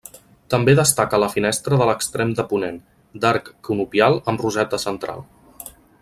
També destaca la finestra de l'extrem de ponent, d'arc conopial amb roseta central.